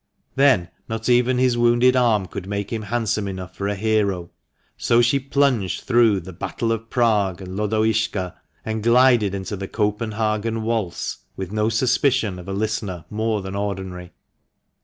Then not even his wounded arm could make him handsome enough for a hero, so she plunged through the " Battle of Prague," and " Lodoiska," and glided into the " Copenhagen Waltz," with no suspicion of a listener more than ordinary.